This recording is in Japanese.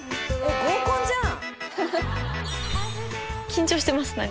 合コンじゃん。］